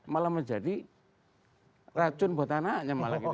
malah menjadi racun buat anaknya malah gitu